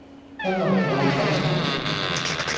因為我係新手